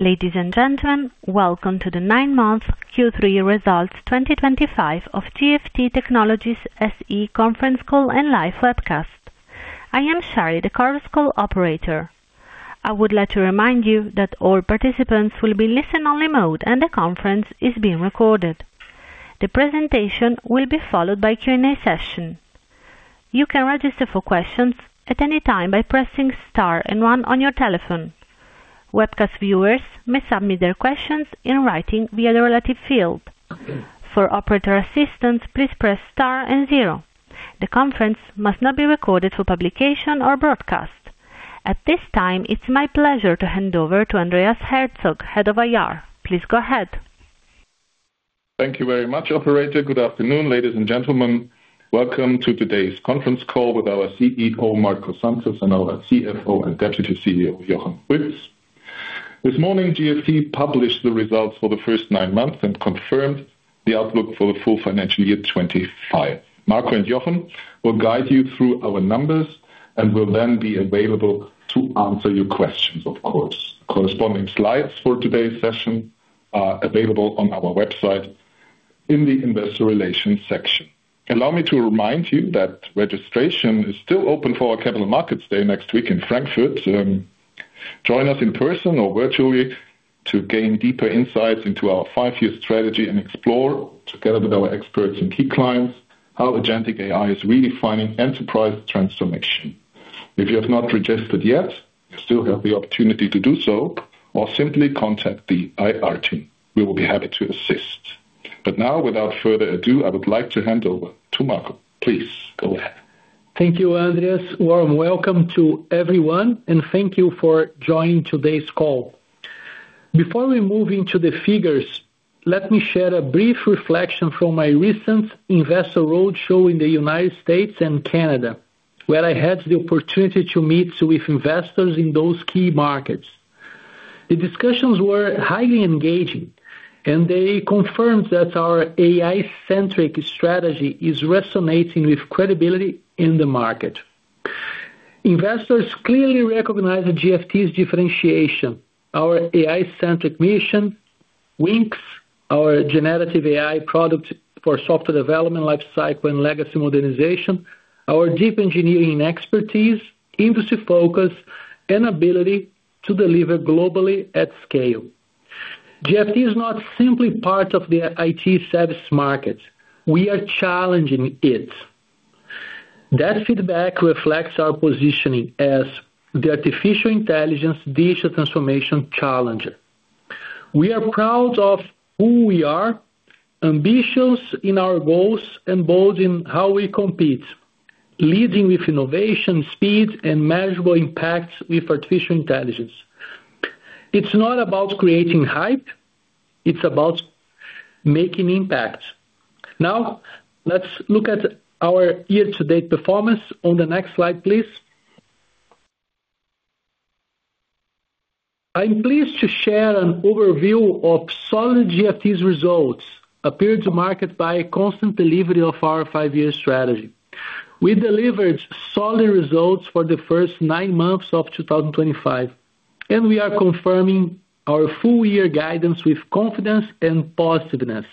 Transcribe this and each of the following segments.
Ladies and gentlemen, welcome to the nine-month Q3 2025 results of GFT Technologies SE conference call and live webcast. I am Shari, the call's operator. I would like to remind you that all participants will be in listen-only mode and the conference is being recorded. The presentation will be followed by a Q&A session. You can register for questions at any time by pressing star and one on your telephone. Webcast viewers may submit their questions in writing via the relevant field. For operator assistance, please press star and zero. The conference must not be recorded for publication or broadcast. At this time, it's my pleasure to hand over to Andreas Herzog, Head of Invester Relation (IR). Please go ahead. Thank you very much, Operator. Good afternoon, ladies and gentlemen. Welcome to today's conference call with our Chief Execuctive Officer, Marco Santos, and our Chief Financial Officer and Deputy Chief Executive Officer, Jochen Ruetz. This morning, GFT published the results for the first nine months and confirmed the outlook for the full financial year 2025. Marco and Jochen will guide you through our numbers and will then be available to answer your questions, of course. Corresponding slides for today's session are available on our website in the Investor Relations section. Allow me to remind you that registration is still open for our Capital Markets Day next week in Frankfurt. Join us in person or virtually to gain deeper insights into our five-year strategy and explore, together with our experts and key clients, how agentic AI is redefining enterprise transformation. If you have not registered yet, you still have the opportunity to do so, or simply contact the IR team. We will be happy to assist. Now, without further ado, I would like to hand over to Marco. Please go ahead. Thank you, Andreas. Warm welcome to everyone, and thank you for joining today's call. Before we move into the figures, let me share a brief reflection from my recent Investor Roadshow in the United States and Canada, where I had the opportunity to meet with investors in those key markets. The discussions were highly engaging, and they confirmed that our AI-centric strategy is resonating with credibility in the market. Investors clearly recognize GFT's differentiation: our AI-centric mission, WINCS, our generative AI product for software development, lifecycle, and legacy modernization, our deep engineering expertise, industry focus, and ability to deliver globally at scale. GFT is not simply part of the IT service market. We are challenging it. That feedback reflects our positioning as the artificial intelligence digital transformation challenger. We are proud of who we are, ambitious in our goals, and bold in how we compete, leading with innovation, speed, and measurable impacts with artificial intelligence. It's not about creating hype; it's about making impact. Now, let's look at our year-to-date performance. On the next slide, please. I'm pleased to share an overview of GFT's solid results, appeared to market by constant delivery of our five-year strategy. We delivered solid results for the first nine months of 2025, and we are confirming our full-year guidance with confidence and positiveness.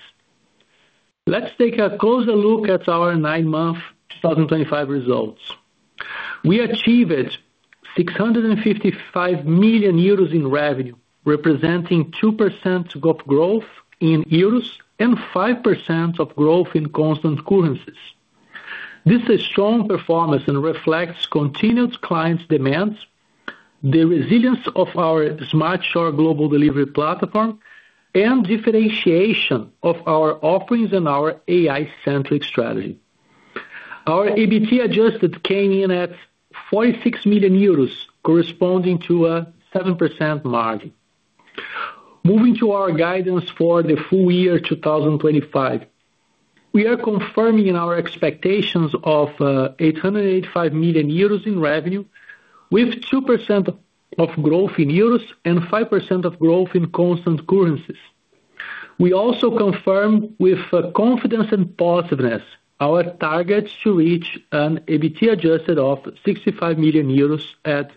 Let's take a closer look at our nine-month 2025 results. We achieved 655 million euros in revenue, representing 2% of growth in euros and 5% of growth in constant currencies. This is a strong performance and reflects continued client demands, the resilience of our smart shore global delivery platform, and differentiation of our offerings and our AI-centric strategy. Our EBITDA adjusted came in at 46 million euros, corresponding to a 7% margin. Moving to our guidance for the full year 2025, we are confirming our expectations of 885 million euros in revenue with 2% of growth in euros and 5% of growth in constant currencies. We also confirm with confidence and positiveness our targets to reach an EBITDA adjusted of 65 million euros at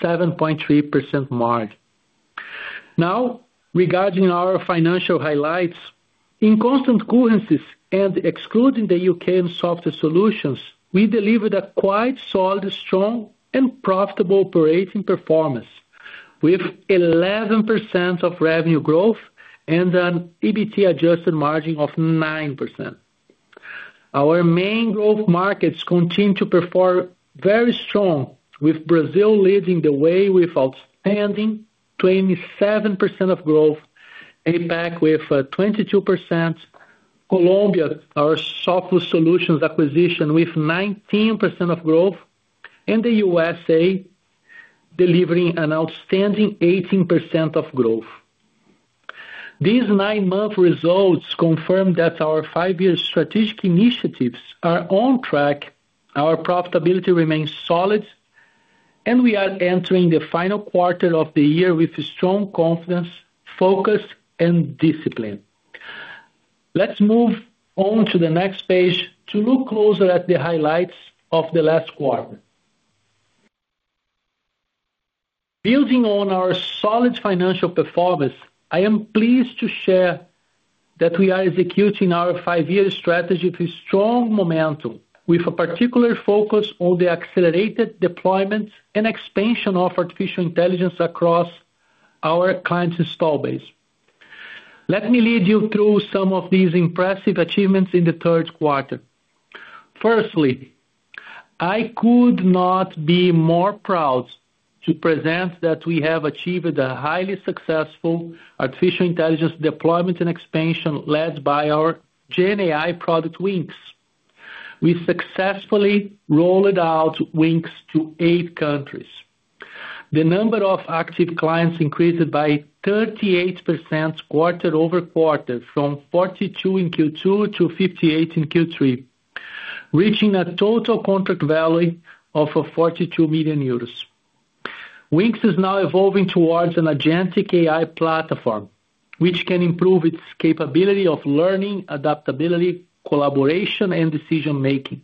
7.3% margin. Now, regarding our financial highlights, in constant currencies and excluding the U.K. and software solutions, we delivered a quite solid, strong, and profitable operating performance with 11% of revenue growth and an EBITDA adjusted margin of 9%. Our main growth markets continue to perform very strong, with Brazil leading the way with outstanding 27% of growth, APAC with 22%, Colombia, our software solutions acquisition with 19% of growth, and the U.S. delivering an outstanding 18% of growth. These nine-month results confirm that our five-year strategic initiatives are on track, our profitability remains solid, and we are entering the final quarter of the year with strong confidence, focus, and discipline. Let's move on to the next page to look closer at the highlights of the last quarter. Building on our solid financial performance, I am pleased to share that we are executing our five-year strategy with strong momentum, with a particular focus on the accelerated deployment and expansion of artificial intelligence across our clients' install base. Let me lead you through some of these impressive achievements in the third quarter. Firstly, I could not be more proud to present that we have achieved a highly successful artificial intelligence deployment and expansion led by our GenAI product, WINCS. We successfully rolled out WINCS to eight countries. The number of active clients increased by 38% quarter-over-quarter, from 42 in Q2 to 58 in Q3, reaching a total contract value of 42 million euros. WINCS is now evolving towards an agentic AI platform, which can improve its capability of learning, adaptability, collaboration, and decision-making,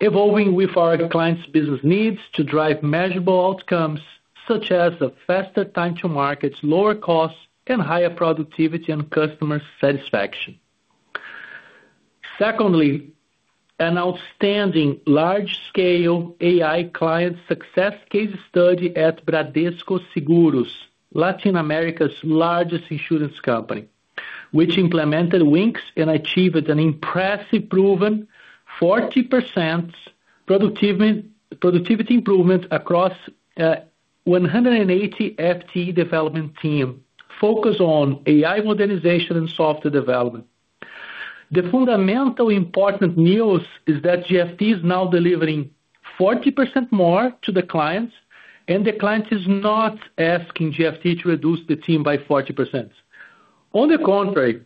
evolving with our clients' business needs to drive measurable outcomes such as a faster time to market, lower costs, and higher productivity and customer satisfaction. Secondly, an outstanding large-scale AI client success case study at Bradesco Seguros, Latin America's largest insurance company, which implemented WINCS and achieved an impressive proven 40% productivity improvement across 180 FTE development teams focused on AI modernization and software development. The fundamental important news is that GFT is now delivering 40% more to the clients, and the client is not asking GFT to reduce the team by 40%. On the contrary,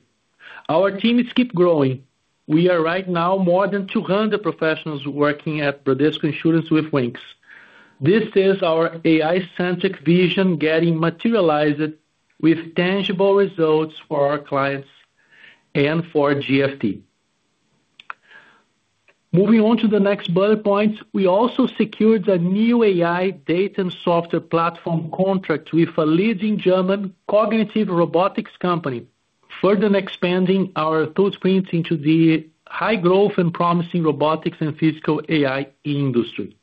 our teams keep growing. We currently have more than 200 professionals working at Bradesco Seguros with WINCS. This is our AI-centric vision getting materialized with tangible results for our clients and for GFT. Moving on to the next bullet points, we also secured a new AI data and software platform contract with a leading German cognitive robotics company, further expanding our footprint into the high-growth and promising robotics and physical AI industry.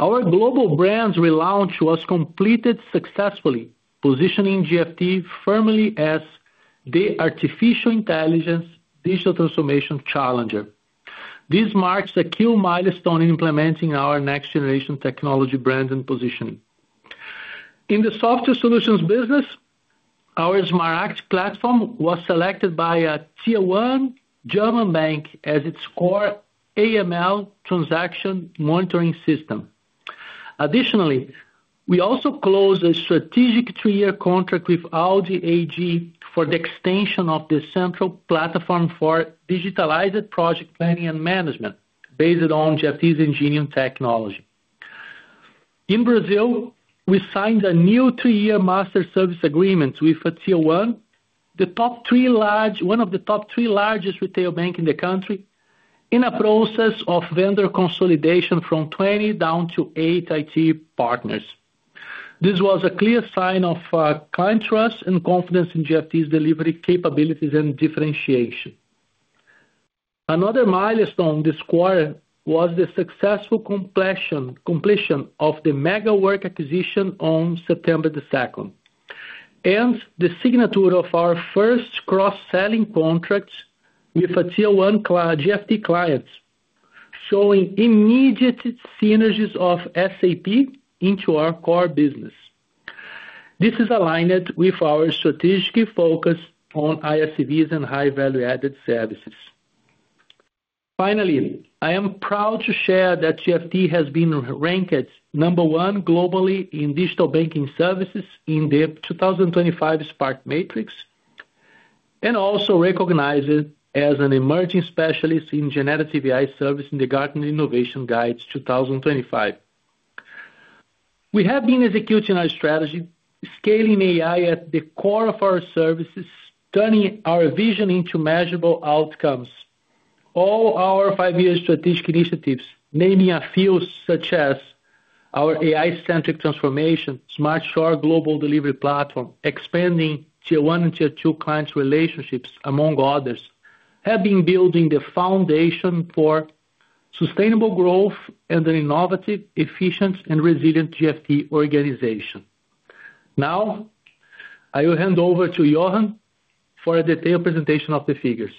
Our global brand's relaunch was completed successfully, positioning GFT firmly as the artificial intelligence digital transformation challenger. This marks a key milestone in implementing our next-generation technology brand and positioning. In the software solutions business, our SmartAct platform was selected by a Tier 1 German bank as its core AML transaction monitoring system. Additionally, we also closed a strategic three-year contract with Audi AG for the extension of the central platform for digitalized project planning and management based on GFT's engineering technology. In Brazil, we signed a new three-year master service agreement with a Tier 1, one of the top three largest retail banks in the country, in a process of vendor consolidation from 20 down to eight IT partners. This was a clear sign of client trust and confidence in GFT's delivery capabilities and differentiation. Another milestone this quarter was the successful completion of the Mega Work acquisition on September 2, and the signature of our first cross-selling contract with a Tier 1 GFT client, showing immediate synergies of SAP into our core business. This is aligned with our strategic focus on ISVs and high-value-added services. Finally, I am proud to share that GFT has been ranked number one globally in digital banking services in the 2025 Spark Matrix and also recognized as an emerging specialist in generative AI service in the Gartner Innovation Guides 2025. We have been executing our strategy, scaling AI at the core of our services, turning our vision into measurable outcomes. All our five-year strategic initiatives, naming a few such as our AI-centric transformation, smart shore global delivery platform, expanding Tier 1 and Tier 2 client relationships, among others, have been building the foundation for sustainable growth and an innovative, efficient, and resilient GFT organization. Now, I will hand over to Jochen for a detailed presentation of the figures.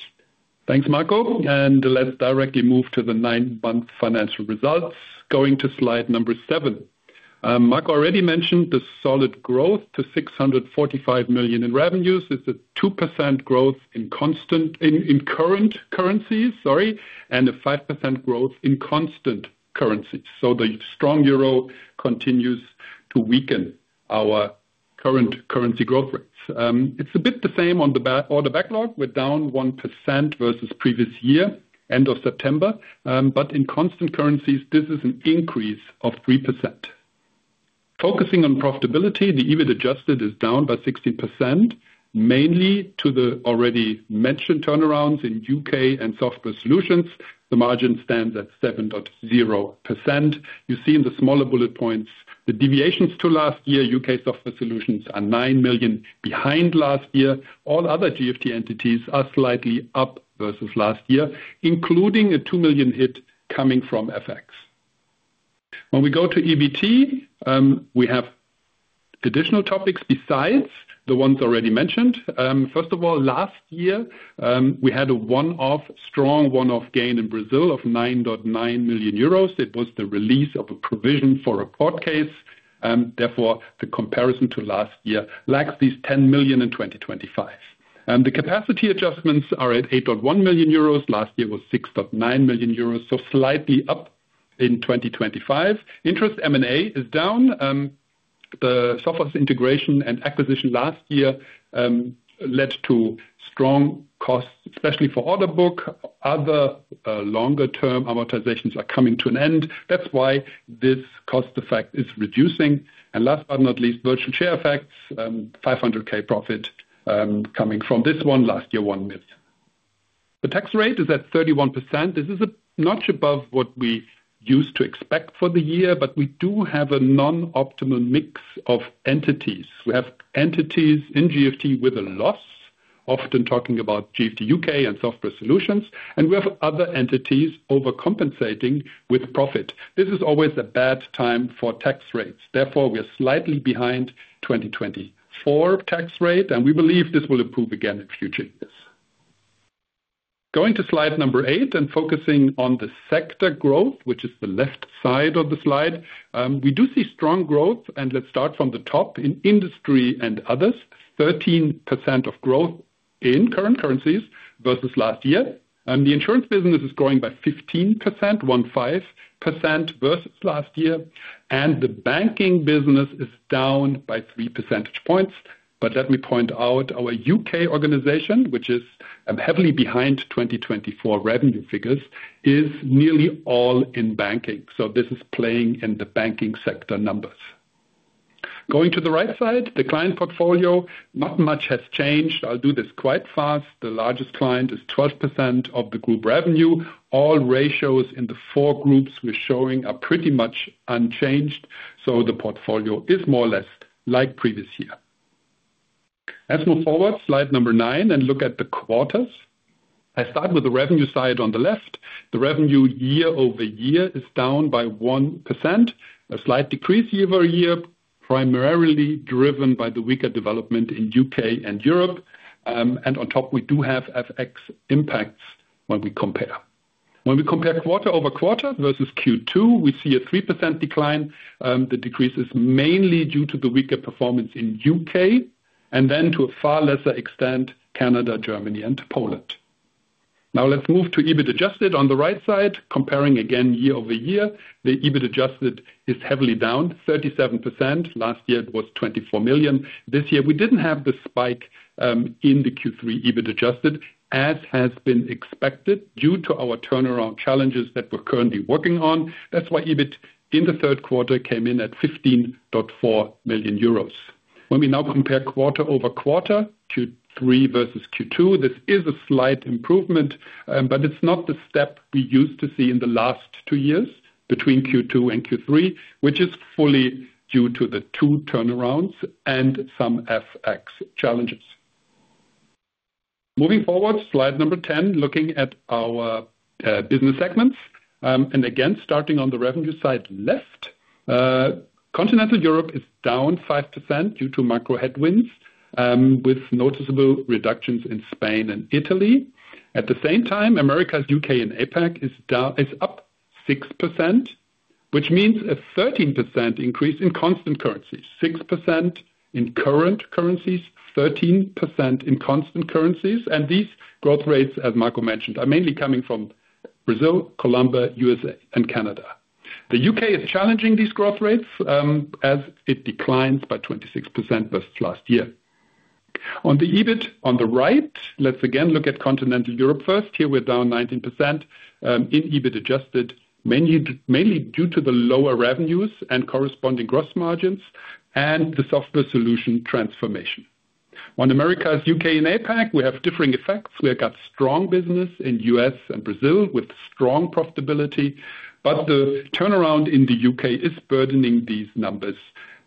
Thanks, Marco. Let's directly move to the nine-month financial results. Going to slide number seven, Marco already mentioned the solid growth to 645 million in revenues. It's a 2% growth in current currencies, sorry, and a 5% growth in constant currencies. The strong euro continues to weaken our current currency growth rates. It's a bit the same on the order backlog. We're down 1% versus previous year, end of September. In constant currencies, this is an increase of 3%. Focusing on profitability, the EBIT adjusted is down by 16%, mainly due to the already mentioned turnarounds in the U.K. and software solutions. The margin stands at 7.0%. You see in the smaller bullet points the deviations to last year. U.K. software solutions are 9 million behind last year. All other GFT entities are slightly up versus last year, including a 2 million FX hit. When we go to EBIT, we have additional topics besides the ones already mentioned. First of all, last year, we had a strong one-off gain in Brazil of 9.9 million euros. It was the release of a provision for a court case. Therefore, the comparison to last year lags by these 10 million in 2025. The capacity adjustments are at 8.1 million euros. Last year was 6.9 million euros, so slightly up in 2025. Interest M&A is down. The software integration and acquisition last year led to strong costs, especially for order book. Other longer-term amortizations are coming to an end. That is why this cost effect is reducing. Last but not least, virtual share effects contributed 500,000 profit this year, compared with 1 million this year. The tax rate is at 31%. This is a notch above what we used to expect for the year, but we do have a non-optimal mix of entities. We have entities in GFT with a loss, often talking about GFT U.K. and software solutions, and we have other entities overcompensating with profit. This is always a bad time for tax rates. Therefore, we are slightly behind 2024 tax rate, and we believe this will improve again in future years. Going to slide number eight and focusing on the sector growth, which is the left side of the slide, we do see strong growth. Let's start from the top in industry and others, 13% of growth in current currencies versus last year. The insurance business is growing by 15% versus last year, and the banking business is down by 3 percentage points. Let me point out our U.K. organization, which is heavily behind 2024 revenue figures, is nearly all in banking. This is playing in the banking sector numbers. Going to the right side, the client portfolio, not much has changed. I'll do this quite fast. The largest client is 12% of group revenue. All ratios in the four groups we're showing are pretty much unchanged, so the portfolio is more or less like the previous year. Let's move forward, slide number nine, and look at the quarters. I start with the revenue side on the left. The revenue year-over-year is down by 1%, a slight decrease year-over-year, primarily driven by the weaker development in the U.K. and Europe. On top, we do have FX impacts when we compare. When we compare quarter-over-quarter versus Q2, we see a 3% decline. The decrease is mainly due to the weaker performance in the U.K. and then to a far lesser extent, Canada, Germany, and Poland. Now let's move to EBIT adjusted on the right side. Comparing again year over year, the EBIT adjusted is heavily down, 37%. Last year, it was 24 million. This year, we did not have the spike in the Q3 EBIT adjusted, as has been expected due to our turnaround challenges that we are currently working on. That is why EBIT in the third quarter came in at 15.4 million euros. When we now compare quarter-over-quarter, Q3 versus Q2, this is a slight improvement, but it is not the step we used to see in the last two years between Q2 and Q3, which is fully due to the two turnarounds and some FX challenges. Moving forward, slide number 10, looking at our business segments. Again, starting on the revenue side left, Continental Europe is down 5% due to macro headwinds, with noticeable reductions in Spain and Italy. At the same time, Americas, U.K., and APAC are up 6%, which means a 13% in constant currencies, 6% in current currencies. These growth rates, as Marco mentioned, are mainly coming from Brazil, Colombia, U.S., and Canada. The U.K. is challenging these growth rates as it declines by 26% versus last year. On the EBIT on the right, let's again look at continental Europe first. Here we're down 19% in EBIT adjusted, mainly due to the lower revenues and corresponding gross margins and the software solution transformation. On Americas, U.K., and APAC, we have differing effects. We have got strong business in the US and Brazil with strong profitability, but the turnaround in the U.K. is burdening these numbers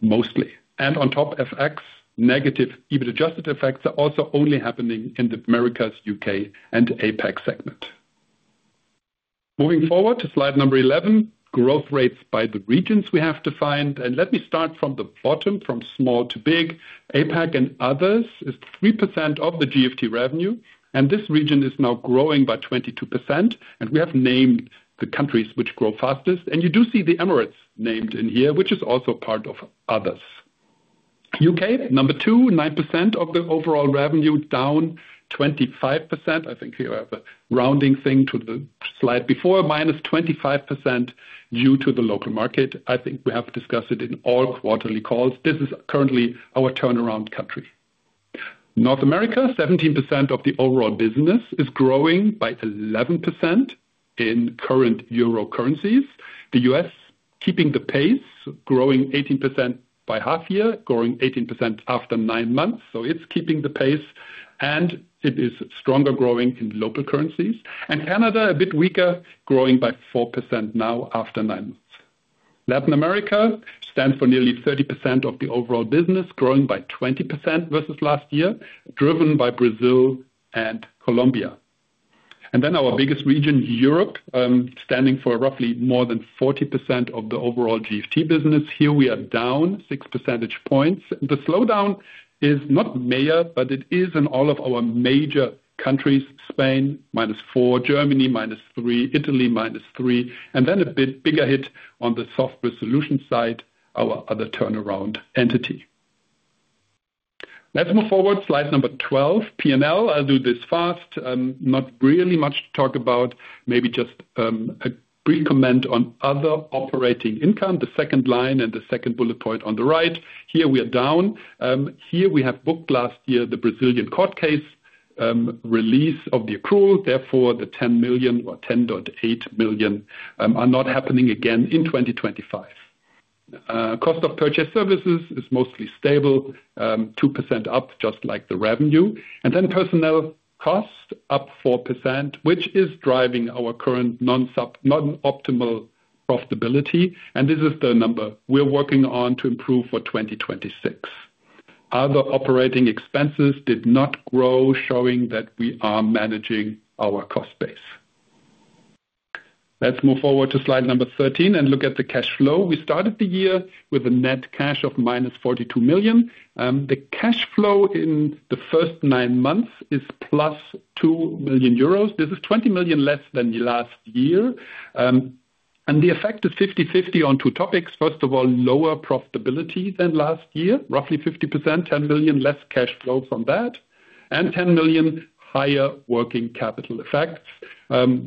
mostly. On top, FX negative EBIT adjusted effects are also only happening in Americas, U.K., and APAC segment. Moving forward to slide number 11, growth rates by the regions we have defined. Let me start from the bottom, from small to big. APAC and others is 3% of the GFT revenue, and this region is now growing by 22%. We have named the countries which grow fastest. You do see the Emirates named in here, which is also part of others. U.K., number two, 9% of the overall revenue, down 25%. I think here I have a rounding thing to the slide before, -25% due to the local market. I think we have discussed it in all quarterly calls. This is currently our turnaround country. North America, 17% of overall business is growing by 11% in current euro currencies. The U.S., keeping the pace, is growing 18% after nine months. It is keeping the pace, and it is growing stronger in local currencies. Canada, a bit weaker, growing by 4% now after nine months. Latin America stands for nearly 30% of the overall business, growing by 20% versus last year, driven by Brazil and Colombia. Our biggest region, Europe, standing for roughly more than 40% of the overall GFT business. Here we are down 6 percentage points. The slowdown is not major, but it is in all of our major countries: Spain, -4; Germany, -3; Italy, -3. A bit bigger hit on the software solution side, our other turnaround entity. Let's move forward, slide number 12, P&L. I'll do this fast. Not really much to talk about, maybe just a brief comment on other operating income, the second line and the second bullet point on the right. Here we are down. Here we have booked last year the Brazilian court case release of the accrual. Therefore, the 10 million (10.8 million are previously mentioned) are not happening again in 2025. Cost of purchase services is mostly stable, 2% up, just like the revenue. Personnel cost up 4%, which is driving our current non-optimal profitability. This is the number we're working on to improve for 2026. Other operating expenses did not grow, showing that we are managing our cost base. Let's move forward to slide number 13 and look at the cash flow. We started the year with a net cash of -42 million. The cash flow in the first nine months is +2 million euros. This is 20 million less than last year. The effect is 50/50 on two topics. First of all, lower profitability than last year, roughly 50%, 10 million less cash flow from that, and 10 million higher working capital effects.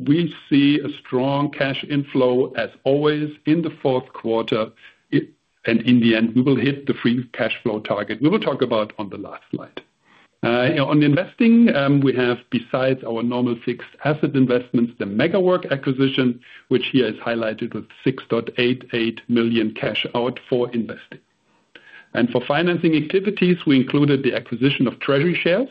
We see a strong cash inflow as always in the fourth quarter. In the end, we will hit the free cash flow target. We will talk about it on the last slide. On investing, we have, besides our normal fixed asset investments, the Mega Work acquisition, which here is highlighted with 6.88 million cash out for investing. For financing activities, we included the acquisition of treasury shares,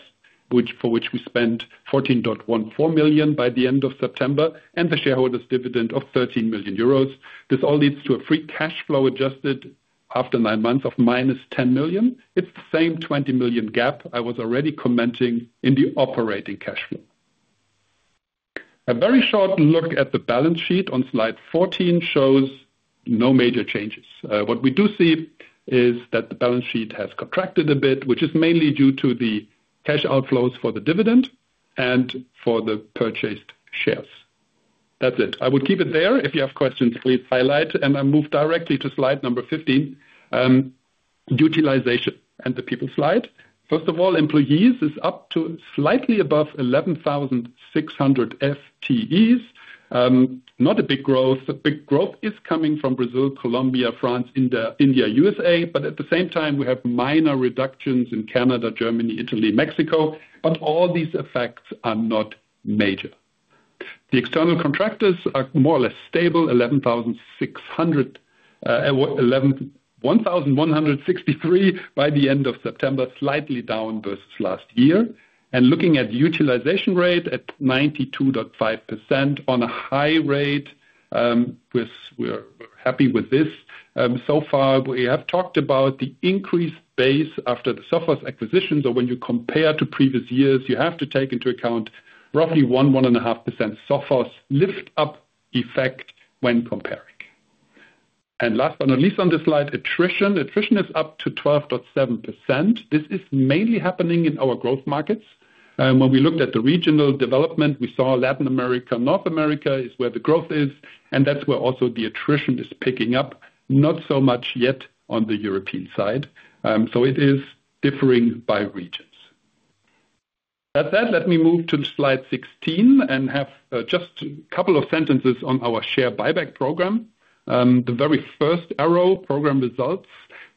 for which we spent 14.14 million by the end of September, and the shareholders' dividend of 13 million euros. This all leads to a free cash flow adjusted after nine months of -10 million. It is the same 20 million gap I was already commenting in the operating cash flow. A very short look at the balance sheet on slide 14 shows no major changes. What we do see is that the balance sheet has contracted a bit, which is mainly due to the cash outflows for the dividend and for the purchased shares. That's it. I would keep it there. If you have questions, please highlight. I move directly to slide number 15, utilization and the people slide. First of all, employees are slightly above 11,600 FTEs. Not a big growth. Big growth is coming from Brazil, Colombia, France, India, U.S. At the same time, we have minor reductions in Canada, Germany, Italy, Mexico. All these effects are not major. The external contractors are more or less stable, 11,600, 1,163 by the end of September, slightly down versus last year. Looking at utilization rate at 92.5% on a high rate, we're happy with this. So far, we have talked about the increased base after the software acquisition. When you compare to previous years, you have to take into account roughly 1-1.5% software lift-up effect when comparing. Last but not least on this slide, attrition. Attrition is up to 12.7%. This is mainly happening in our growth markets. When we looked at the regional development, we saw Latin America, North America is where the growth is. That's where also the attrition is picking up, not so much yet on the European side. It is differing by regions. That said, let me move to slide 16 and have just a couple of sentences on our share buyback program. The very first arrow, program results.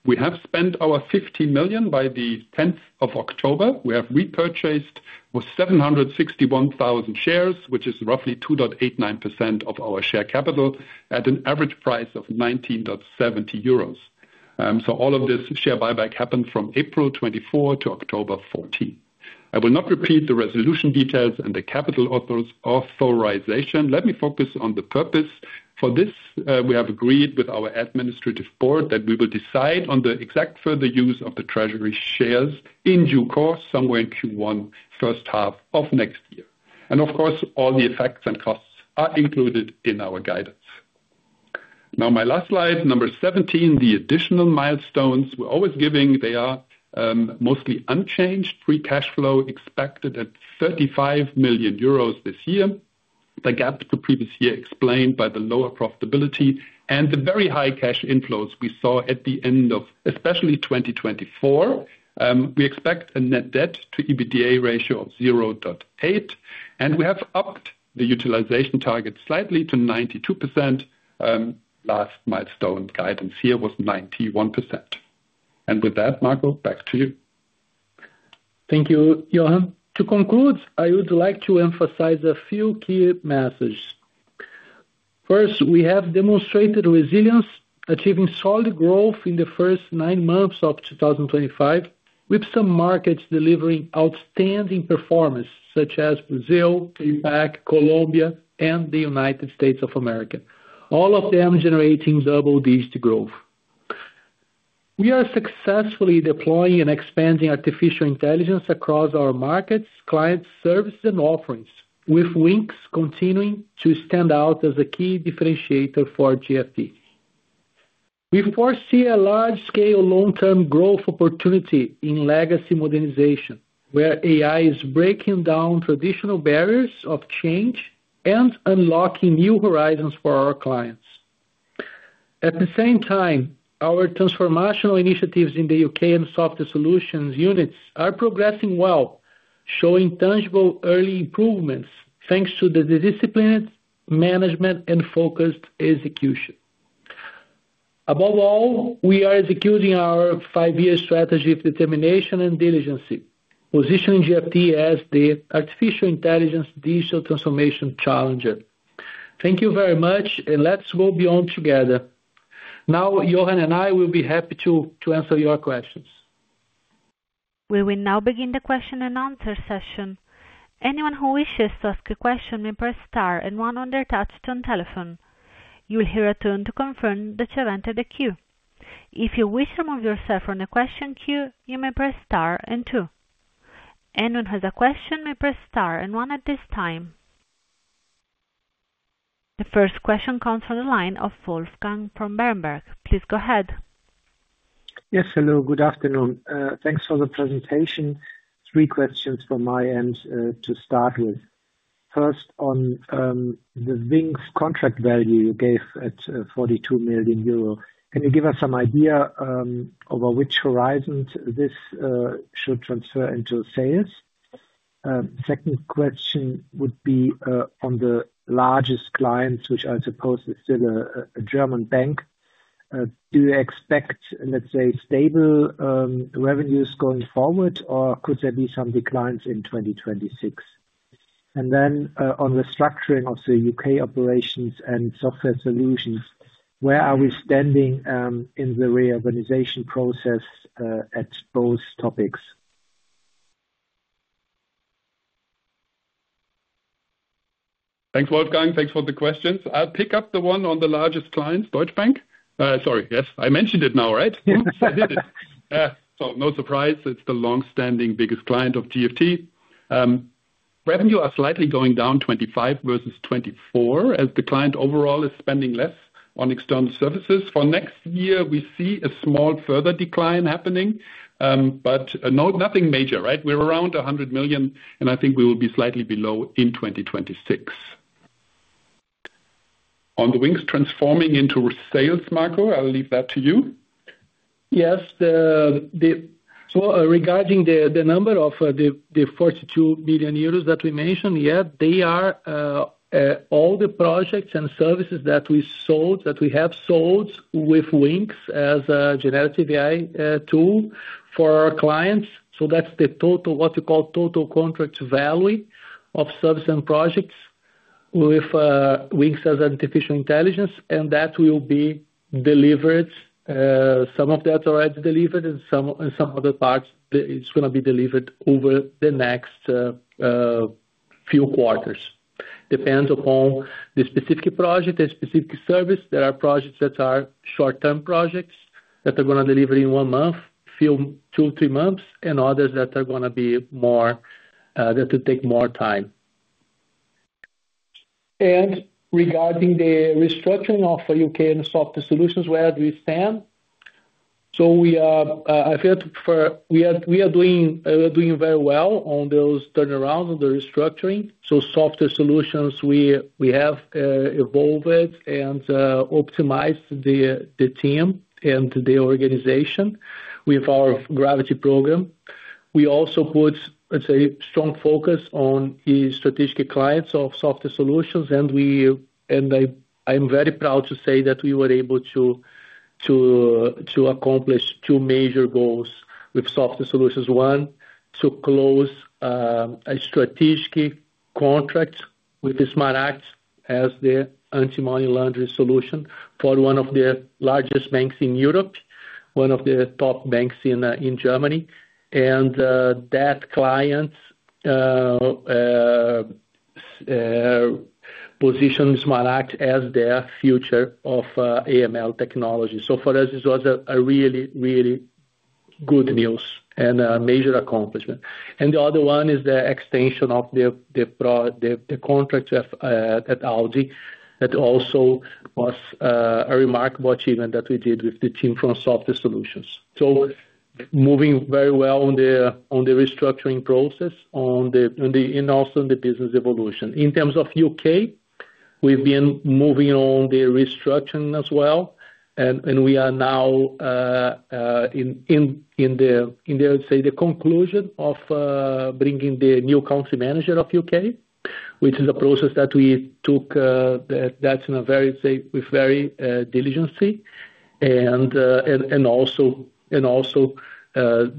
We have spent our 15 million by the 10th of October. We have repurchased 761,000 shares, which is roughly 2.89% of our share capital at an average price of 19.70 euros. All of this share buyback happened from April 24 to October 14. I will not repeat the resolution details and the capital authorization. Let me focus on the purpose. For this, we have agreed with our Administrative Board that we will decide on the exact further use of the treasury shares in due course, occured in Q1, first half of next year. Of course, all the effects and costs are included in our guidance. Now, my last slide, number 17, the additional milestones we are always giving. They are mostly unchanged, free cash flow expected at 35 million euros this year. The gap to previous year explained by the lower profitability and the very high cash inflows we saw at the end of, especially 2024. We expect a net debt to EBITDA ratio of 0.8. We have upped the utilization target slightly to 92%. Last milestone guidance here was 91%. With that, Marco, back to you. Thank you, Jochen. To conclude, I would like to emphasize a few key messages. First, we have demonstrated resilience, achieving solid growth in the first nine months of 2025, with some markets delivering outstanding performance, such as Brazil, APAC, Colombia, and the U.S., all of them generating double-digit growth. We are successfully deploying and expanding artificial intelligence across our markets, clients, services, and offerings, with WINCS continuing to stand out as a key differentiator for GFT. We foresee a large-scale long-term growth opportunity in legacy modernization, where AI is breaking down traditional barriers of change and unlocking new horizons for our clients. At the same time, our transformational initiatives in the U.K. and software solutions units are progressing well, showing tangible early improvements thanks to the disciplined management and focused execution. Above all, we are executing our five-year strategy of determination and diligency, positioning GFT as the artificial intelligence digital transformation challenger. Thank you very much, and let's go beyond together. Now, Jochen and I will be happy to answer your questions. We will now begin the Q&A session. Anyone who wishes to ask a question may press star and one on their touch-tone telephone. You will hear a tone to confirm that you have entered the queue. If you wish to remove yourself from the question queue, you may press star and two. Anyone who has a question may press star and one at this time. The first question comes from the line of Wolfgang from Berenberg. Please go ahead. Yes, hello, good afternoon. Thanks for the presentation. Three questions from my end to start with. First, on the WINCS contract value you gave at 42 million euro, can you give us some idea over which horizons this should transfer into sales? Second question would be on the largest clients, which I suppose is still a German bank. Do you expect, let's say, stable revenues going forward, or could there be some declines in 2026? And then on the structuring of the U.K. operations and software solutions, where are we standing in the reorganization process at both topics? Thanks, Wolfgang. Thanks for the questions. I'll pick up the one on the largest client, Deutsche Bank. Sorry, yes, I already mentioned it, right? Yes, I did it. No surprise, it's the long-standing biggest client of GFT. Revenue are slightly going down, 2025 versus 2024, as the client overall is spending less on external services. For next year, we see a small further decline happening, but nothing major, right? We're around 100 million, and I think we will be slightly below in 2026. On the WINCS transforming into sales, Marco, I'll leave that to you. Yes. Regarding the number of the 42 million euros that we mentioned, these cmprise all projects and services that we sold, that we have sold with WINCS as a generative AI tool for our clients. That's the total, what we call total contract value of service and projects with WINCS as artificial intelligence, and that will be delivered. Some of that's already delivered, and some other parts it's going to be delivered over the next few quarters. Depends upon the specific project and specific service. There are projects that are short-term projects that are going to deliver in one month, two or three months, and others that are going to be more that will take more time. Regarding the restructuring of the U.K. and software solutions, where do we stand? I feel we are doing very well on those turnarounds of the restructuring. Software solutions, we have evolved and optimized the team and the organization with our Gravity program. We also put, let's say, strong focus on strategic clients of software solutions. I'm very proud to say that we were able to accomplish two major goals with software solutions. One, to close a strategic contract with SmartAct as the anti-money laundering solution for one of the largest banks in Europe, one of the top banks in Germany. That client positions SmartAct as their future of AML technology. For us, it was really, really good news and a major accomplishment. The other one is the extension of the contract at Audi that also was a remarkable achievement that we did with the team from software solutions. Moving very well on the restructuring process and also in the business evolution. In terms of the U.K., we've been moving on the restructuring as well. We are now in, I would say, the conclusion of bringing the new country manager of the U.K., which is a process that we took that's in a very diligency and also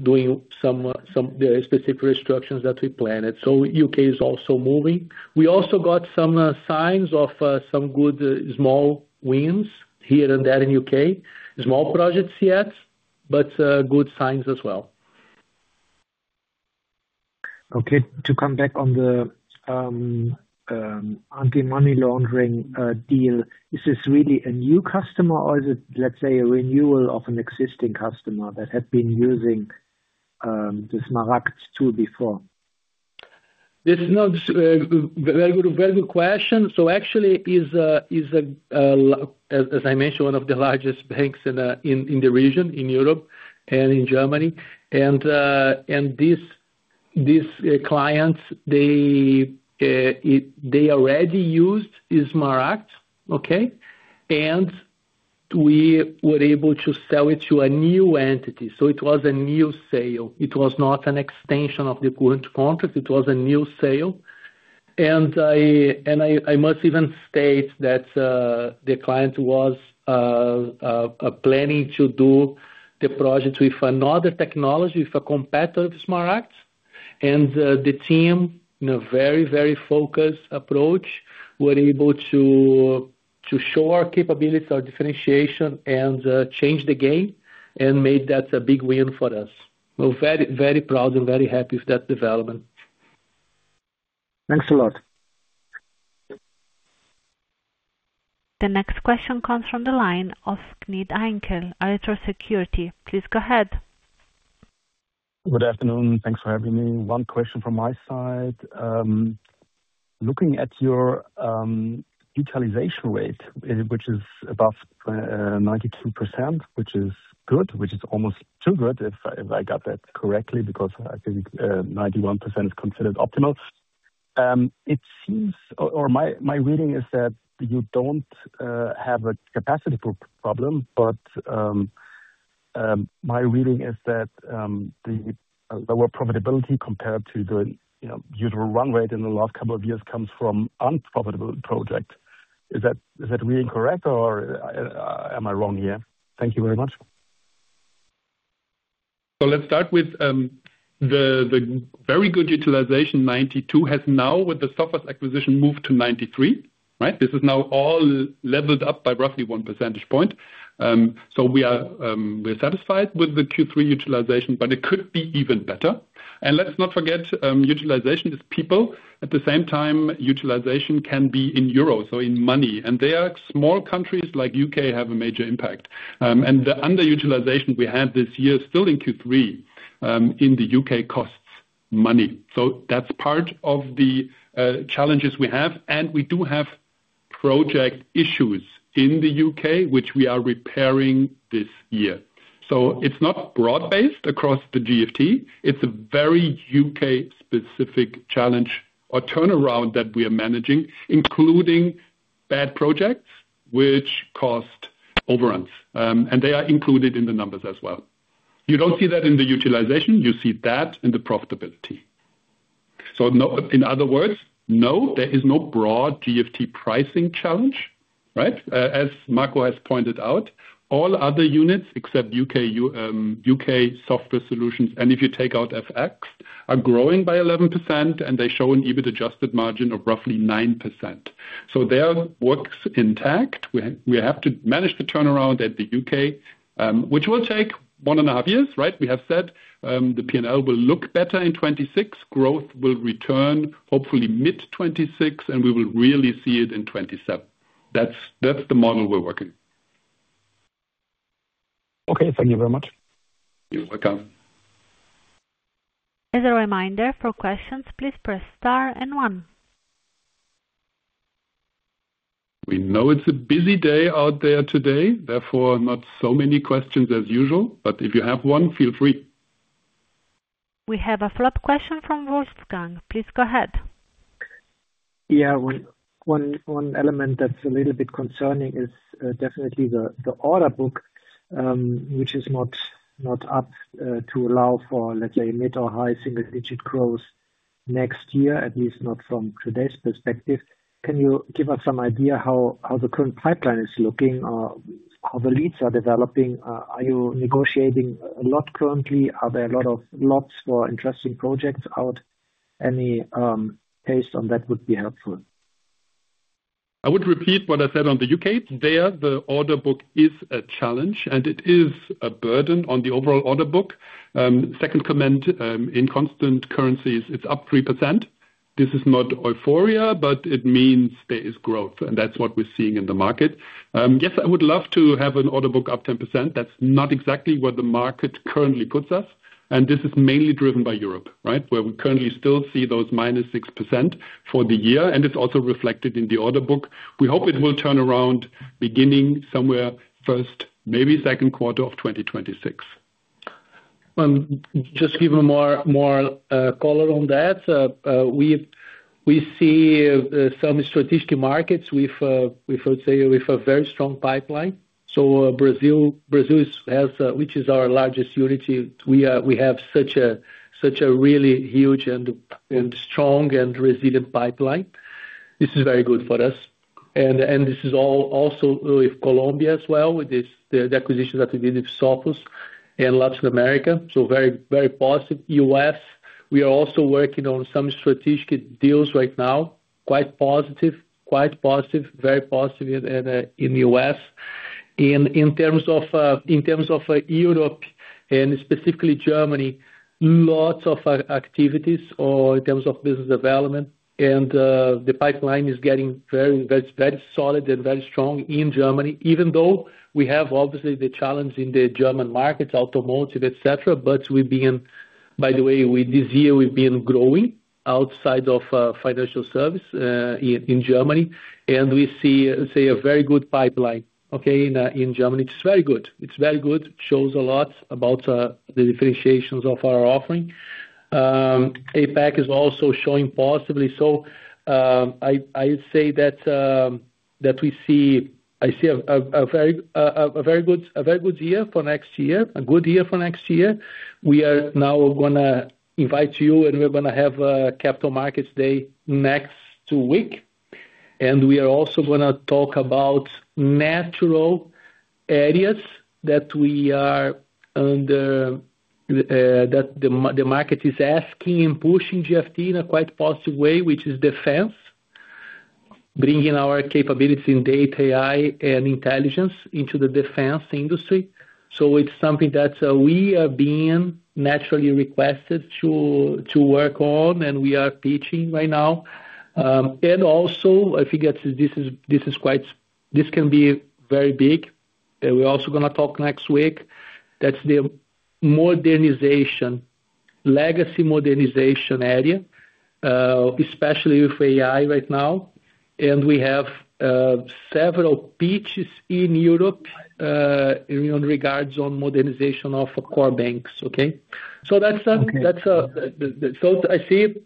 doing some specific restrictions that we planned. The U.K. is also moving. We also got some signs of some good small wins here and there in the U.K., small projects yet, but good signs as well. To come back on the anti-money laundering deal, is this really a new customer or is it, let's say, a renewal of an existing customer that had been using the SmartAct tool before? This is a very good question. Actually, as I mentioned, one of the largest banks in the region—in Europe and in Germany. These clients already used SmartAct, okay? We were able to sell it to a new entity. It was a new sale. It was not an extension of the current contract. It was a new sale. I must even state that the client was planning to do the project with another technology, with a competitor of SmartAct. The team, in a very, very focused approach, were able to show our capabilities, our differentiation, and change the game and made that a big win for us. We're very, very proud and very happy with that development. Thanks a lot. The next question comes from the line of Sneed Einkel at Electrosecurity. Please go ahead. Good afternoon. Thanks for having me. One question from my side. Looking at your utilization rate, which is above 92%, which is good— almost too good, if I got that correctly—because I think 91% is considered optimal. It seems, or my reading is that you don't have a capacity problem, but my reading is that the lower profitability compared to the usual run rate in the last couple of years comes from unprofitable projects. Is that really correct, or am I wrong here? Thank you very much. Let's start with the very good utilization, 92%, has now, with the software acquisition, moved to 93%, right? This is now all leveled up by roughly one percentage point. We are satisfied with the Q3 utilization, but it could be even better. Let's not forget, utilization is people. At the same time, utilization can be measured in EUR terms—in money. There are small countries like the U.K. that have a major impact. The underutilization we have this year is still in Q3 in the U.K., and it costs money. That's part of the challenges we have. We do have project issues in the U.K., which we are repairing this year. It's not broad-based across GFT. It's a very U.K.-specific challenge or turnaround that we are managing, including bad projects with cost overruns. They are included in the numbers as well. You don't see that in the utilization. You see that in the profitability. In other words, no, there is no broad GFT pricing challenge, right? As Marco has pointed out, all other units except U.K. software solutions, and if you take out FX, are growing by 11%, and they show an EBIT adjusted margin of roughly 9%. So their work's intact. We have to manage the turnaround at the U.K., which will take one and a half years, right? We expect the P&L look better in 2026, and growthto return—hopefully—by mid-2026, with clear improvement in 2027. That's the model we're working. Okay. Thank you very much. You're welcome. As a reminder, for questions, please press star-one. We know it's a busy day today, therefore we have not so many questions as usual, but if you have one, feel free. We have a follow-up question from Wolfgang. Please go ahead. Yeah. One element that's a little bit concerning is definitely the order book, which is not sufficientto support mid or high single-digit growth next year, at least not from today's perspective. Can you give us some idea of how the current pipeline is looking or how the leads are developing? Are you negotiating a lot currently? Are there many opertunity for interesting projects in the market? Any insight on that would be helpful. I would repeat what I said on the U.K. There, the order book is a challenge, and it is a burden on the overall order book. Second, in constant currencies, the order is up 3%. This is not exciting, but it means there is growth, and that's what we're seeing in the market. Yes, I would love to have an order book up 10%. That's not exactly where the market currently puts us. This is mainly driven by Europe, right, where we still see those -6% for the year, and it is also reflected in the order book. We hope it will turn around beginning sometime in the first or possibly second quarter of 2026. To give you more color on that, we see some strategic markets with a very strong pipeline. Brazil, which is our largest unity, we have such a really huge and strong and resilient pipeline. This is very good for us. This is also with Colombia as well, with the acquisition that we did with Sophos and Latin America. Very positive. U.S., we are also working on some strategic deals right now. Quite positive, quite positive, very positive in the U.S. In terms of Europe and specifically Germany, lots of activities in terms of business development, and the pipeline is getting very solid and very strong in Germany, even though we have obviously the challenge in the German market, automotive, etc. By the way, this year, we've been growing outside of financial service in Germany, and we see, let's say, a very good pipeline, okay, in Germany. It's very good. It's very good. It shows a lot about the differentiations of our offering. APAC is also showing positively. I would say that we see a very good year for next year, a good year for next year. We are now going to invite you, and we're going to have a Capital Markets Day next week. We are also going to talk about natural areas that the market is asking and pushing GFT in a quite positive way, which is defense, bringing our capabilities in data, AI, and intelligence into the defense industry. It is something that we are being naturally requested to work on, and we are pitching right now. I think this can be very big. We are also going to talk next week. That is the modernization, legacy modernization area, especially with AI right now. We have several pitches in Europe in regards to modernization of core banks, okay? I see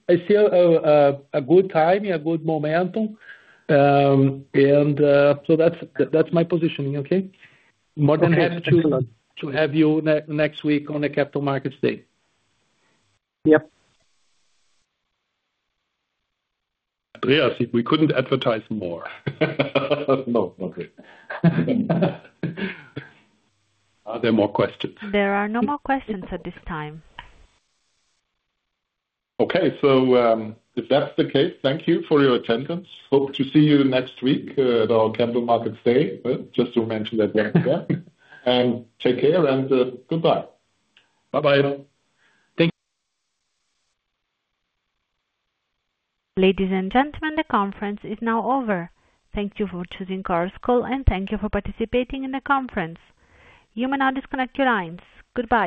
a good timing, a good momentum. That is my positioning, and I'm more than happy to have you next week on the Capital Markets Day. Yeah, we could not advertise that more. No, okay. Are there more questions? There are no more questions at this time. Okay. If that's the case, thank you for your attendance. We hope to see you next week at our Capital Markets Day. Just to mention that we're here. Take care and goodbye. Bye-bye. Thank you. Ladies and gentlemen, the conference is now over. Thank you for choosing Karlsruhe School, and thank you for participating in the conference. You may now disconnect your lines. Goodbye.